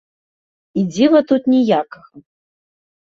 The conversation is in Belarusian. І дзіва тут ніякага.